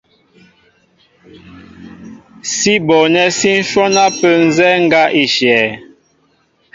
Sí bonɛ́ sí ǹhwɔ́n ápə́ nzɛ́ɛ́ ŋgá í shyɛ̄.